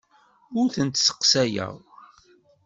Ur tent-sseqsayeɣ.